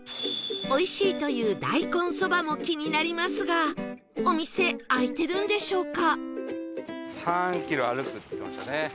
おいしいという大根そばも気になりますがお店開いてるんでしょうか？